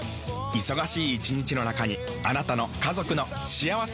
忙しい一日の中にあなたの家族の幸せな時間をつくります。